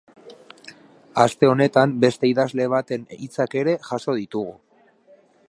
Aste honetan beste idazle baten hitzak ere jaso ditugu.